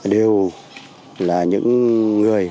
đều là những người